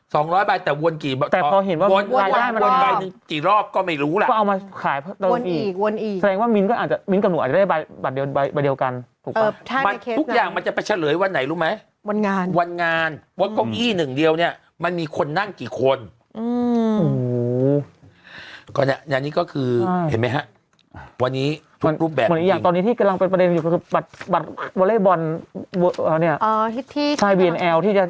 สองร้อยใบแต่วนกี่แต่พอเห็นว่าวนวนวนวนวนวนวนวนวนวนวนวนวนวนวนวนวนวนวนวนวนวนวนวนวนวนวนวนวนวนวนวนวนวนวนวนวนวนวนวนวนวนวนวนวนวนวนวนวนวนวนวนวนวนวนวนวนวนวนวนวนวนวนวนวนว